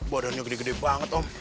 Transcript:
bodohnya gede gede banget om